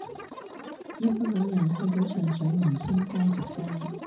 有個老人去左上水民生街食齋